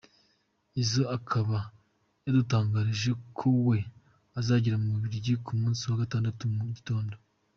Izzo akaba yadutangarije ko we azagera mu Bubiligi ku munsi wa gatandatu mu gitondo.